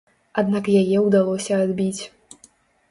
Аднак яе ўдалося адбіць.